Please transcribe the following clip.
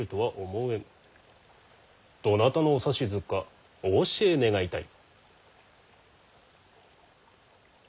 どなたのお指図かお教え願いたい。